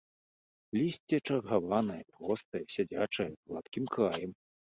Лісце чаргаванае, простае, сядзячае, з гладкім краем.